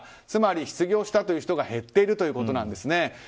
つまり失業した人が減っているということなんですね。